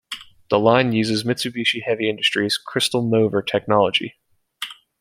The line uses Mitsubishi Heavy Industries "Crystal Mover" technology.